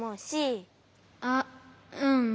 あっうん。